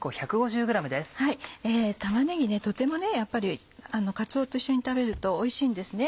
玉ねぎとてもねかつおと一緒に食べるとおいしいんですね。